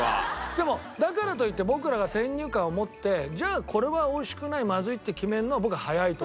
でもだからといって僕らが先入観を持ってじゃあこれは美味しくないまずいって決めるのは僕は早いと思う。